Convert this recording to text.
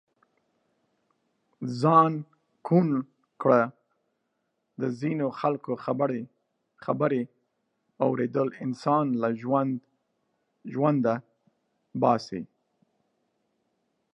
ځان ڪوڼ ڪړه د ځينو خلڪو خبرې اوریدل انسان له ژونده باسي.